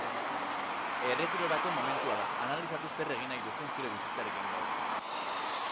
Erretirorako momentua da, analizatu zer egin nahi duzun zure bizitzarekin gaur.